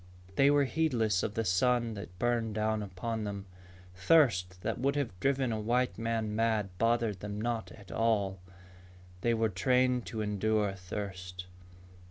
They were heedless of the sun that burned down upon them. Thirst that would have driven a white man mad bothered them not at all. They were trained to endure thirst.